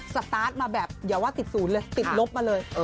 สตาร์ทมาแบบอย่าว่าติดศูนย์เลยติดลบมาเลย